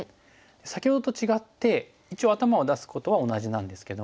先ほどと違って一応頭を出すことは同じなんですけども。